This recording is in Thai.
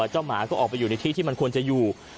หมาก็ออกไปอยู่ในที่ที่มันควรจะอยู่